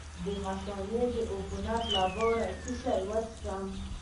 د مثانې د عفونت لپاره باید څه شی وڅښم؟